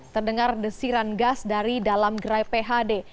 terdengar desiran gas dari dalam gerai phd